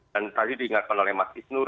dan tadi diingatkan oleh mas isnur